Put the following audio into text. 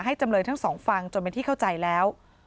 จำเลยทั้งสองฟังจนเป็นที่เข้าใจแล้ว